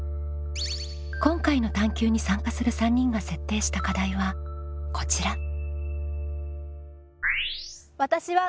今回の探究に参加する３人が設定した課題はこちら。